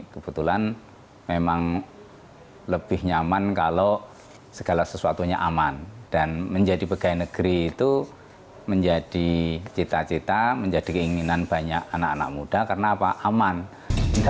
pertanyaan terakhir apakah penyelamatkan ke rumah adalah salah satu korban kasus dugaan tes cpns